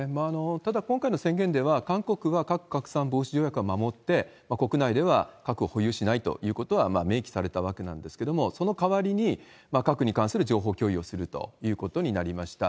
ただ、今回の宣言では、韓国は核拡散防止条約を守って、国内では核を保有しないということは明記されたわけなんですけれども、そのかわりに、核に関する情報共有をするということになりました。